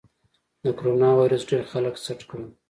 د کرونا ویروس ډېر خلک سټ کړل.